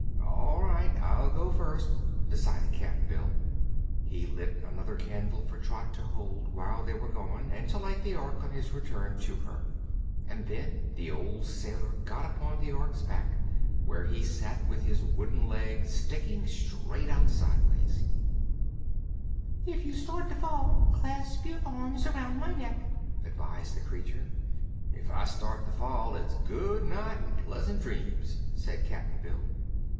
"All right; I'll go first," decided Cap'n Bill. He lit another candle for Trot to hold while they were gone and to light the Ork on his return to her, and then the old sailor got upon the Ork's back, where he sat with his wooden leg sticking straight out sidewise. "If you start to fall, clasp your arms around my neck," advised the creature. "If I start to fall, it's good night an' pleasant dreams," said Cap'n Bill.